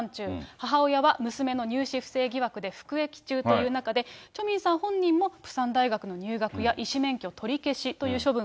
母親は娘の入試疑惑で服役中という中で、チョ・ミンさん本人もプサン大学入学や医師免許取り消しという処